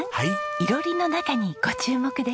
囲炉裏の中にご注目です。